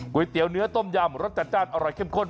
ก๋วยเตี๋ยวเนื้อต้มยำรสจัดอร่อยเข้มข้น